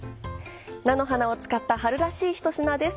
菜の花を使った春らしい一品です。